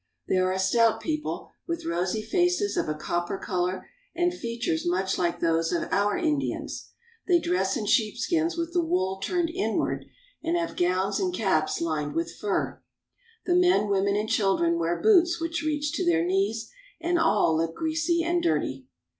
They are a stout people with rosy faces of a copper color, and features much like those of our Indians. They dress in sheepskins with the wool turned inward, and have gowns and caps lined with " We meet Mongols at the pass through the wall." fur. The men, women, and children wear boots which reach to their knees, and all look greasy and dirty.